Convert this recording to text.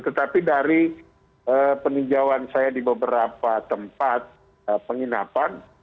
tetapi dari peninjauan saya di beberapa tempat penginapan